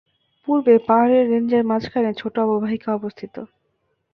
পূর্বে পাহাড়ের রেঞ্জের মাঝখানে, ছোট অববাহিকা অবস্থিত।